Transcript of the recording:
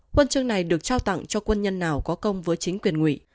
huy chương này được trao tặng cho quân nhân nào có công với chính quyền ngụy